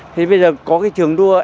thế bây giờ có cái trường đua